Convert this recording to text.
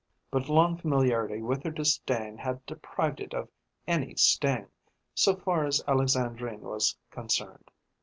But long familiarity with her disdain had deprived it of any sting, so far as Alexandrine was concerned.